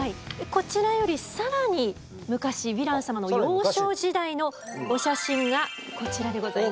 こちらより更に昔ヴィラン様の幼少時代のお写真がこちらでございます。